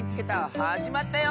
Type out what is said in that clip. はじまったよ！